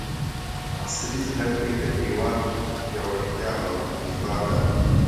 عصري زده کړې د هېواد پیاوړتیا او خودکفاء ده!